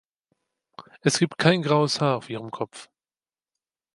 Es gibt kein graues Haar auf ihrem Kopf.